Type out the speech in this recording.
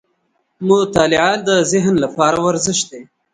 • مطالعه د ذهن لپاره ورزش دی.